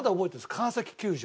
川崎球場。